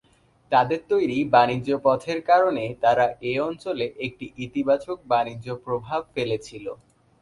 তাদের তৈরি বাণিজ্য পথের কারণে তারা-এঅঞ্চলে একটি ইতিবাচক বাণিজ্য প্রভাব ফেলেছিল।